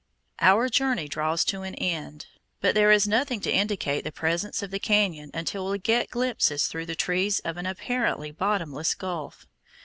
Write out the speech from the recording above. Our journey draws to an end, but there is nothing to indicate the presence of the cañon until we get glimpses through the trees of an apparently bottomless gulf.